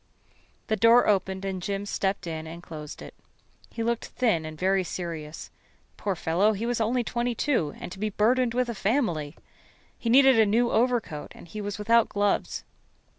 The door opened and Jim stepped in and closed it. He looked thin and very serious. Poor fellow, he was only twenty two and to be burdened with a family! He needed a new overcoat and he was without gloves.